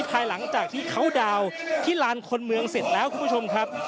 ภายหลังจากที่เขาดาวน์ที่ลานคนเมืองเสร็จแล้วคุณผู้ชมครับ